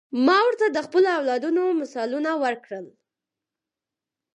ما ورته د خپلو اولادونو مثالونه ورکړل.